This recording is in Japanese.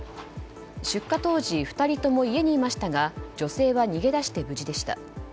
出火当時２人とも家にいましたが女性は逃げ出して無事でした。